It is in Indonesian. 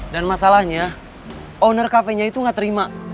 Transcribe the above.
dan masalahnya owner kafenya itu gak terima